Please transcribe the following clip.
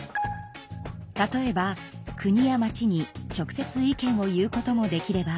例えば国や町に直接意見を言うこともできれば。